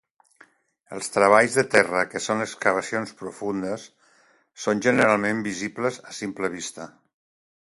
Els treballs de terra que són excavacions profundes són generalment visibles a simple vista.